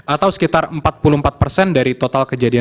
atau sekitar empat puluh empat persen dari total kejadian